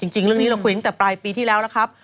จริงเรื่องนี้เราคุยตั้งแต่ปลายปีที่แล้วนะครับ